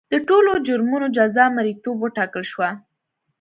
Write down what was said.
د ټولو جرمونو جزا مریتوب وټاکل شوه.